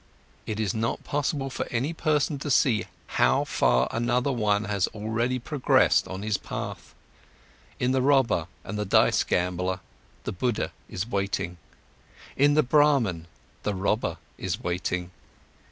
It is not possible for any person to see how far another one has already progressed on his path; in the robber and dice gambler, the Buddha is waiting; in the Brahman, the robber is waiting.